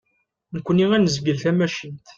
Nekni ad nezgel tamacint.